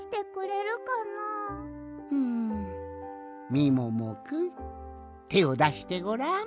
んみももくんてをだしてごらん。